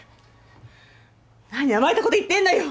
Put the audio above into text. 何甘えた事言ってんのよ！